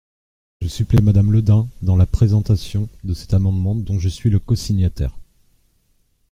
Je supplée Madame Le Dain dans la présentation de cet amendement dont je suis cosignataire.